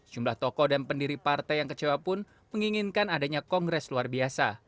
jumlah tokoh dan pendiri partai yang kecewa pun menginginkan adanya kongres luar biasa